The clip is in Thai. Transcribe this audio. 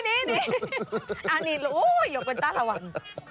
อ้าหนีแล้วโอ้โฮหลบคนต้านระวัง